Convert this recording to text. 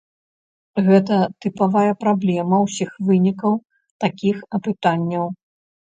Гэта тыповая праблема ўсіх вынікаў такіх апытанняў.